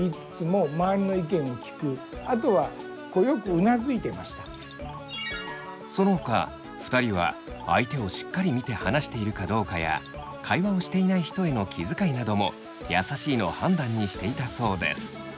あとはそのほか２人は相手をしっかり見て話しているかどうかや会話をしていない人への気遣いなども優しいの判断にしていたそうです。